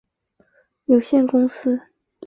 物业管理公司为伟邦物业管理有限公司。